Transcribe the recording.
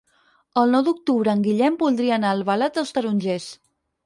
El nou d'octubre en Guillem voldria anar a Albalat dels Tarongers.